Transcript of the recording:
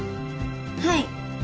はい。